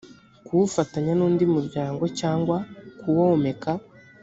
kuwufatanya n undi muryango cyangwa kuwomeka